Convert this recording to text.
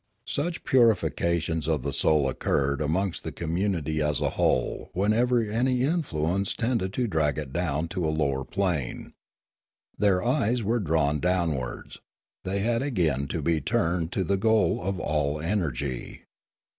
Such purifications of the soul occurred amongst the community as a whole whenever any influence tended to drag it down to a lower plane. Their eyes were drawn downwards; they had again to be turned to the goal of all energy.